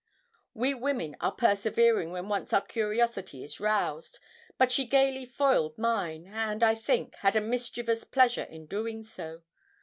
We women are persevering when once our curiosity is roused, but she gaily foiled mine, and, I think, had a mischievous pleasure in doing so.